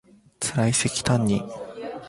つらいせきたんに